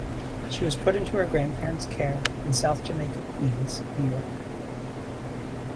She was put into her grandparents care in South Jamaica, Queens, New York.